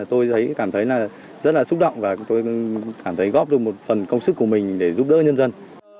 tôi cảm thấy rất là xúc động và tôi cảm thấy góp được một phần công sức của mình để giúp đỡ nhân dân